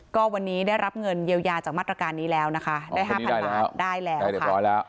ก็วันนี้ได้รับเงินเยียวยาจากมาตรการนี้แล้วนะคะได้๕๐๐บาทได้แล้วค่ะ